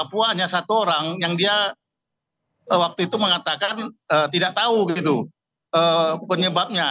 papua hanya satu orang yang dia waktu itu mengatakan tidak tahu gitu penyebabnya